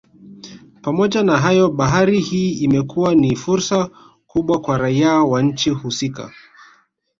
Pamoja na hayo bahari hii imekuwa ni fursa kubwa kwa raia wa nchi husika